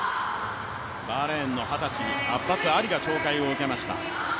バーレーンのアッバス・アリが紹介を受けました。